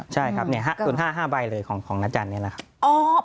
ใช่ครับ๐๕๕ใบเลยของอาจารย์นี่แหละครับ